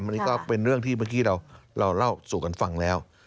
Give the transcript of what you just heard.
อันนี้ก็เป็นเรื่องที่เมื่อกี้เราเล่าสู่กันฟังแล้ว